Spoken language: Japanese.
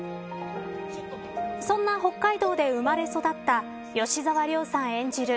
そんな北海道で生まれ育った吉沢亮さん演じる